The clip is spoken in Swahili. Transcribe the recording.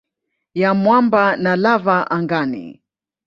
ya mwamba na lava angani.